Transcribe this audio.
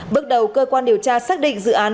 bước đầu cơ quan điều tra xác định dự án